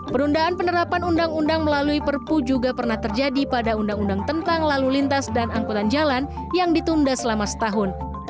penundaan penerapan undang undang melalui perpu juga pernah terjadi pada undang undang tentang lalu lintas dan angkutan jalan yang ditunda selama setahun